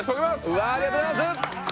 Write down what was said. うわあありがとうございます！